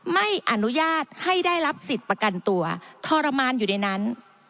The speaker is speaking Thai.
ไม่อนุญาตให้ได้รับสิทธิ์ประกันตัวทรมานอยู่ในนั้น